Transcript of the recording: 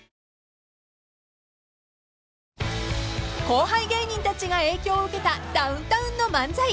［後輩芸人たちが影響を受けたダウンタウンの漫才］